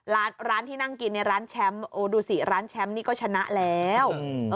ร้านร้านที่นั่งกินในร้านแชมป์โอ้ดูสิร้านแชมป์นี่ก็ชนะแล้ว